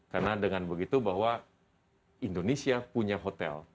karena dengan begitu bahwa indonesia punya hotel